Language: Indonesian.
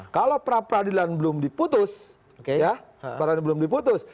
kalau pra peradilan belum diputus